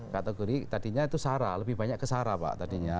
kategori tadinya itu sara lebih banyak ke sara pak tadinya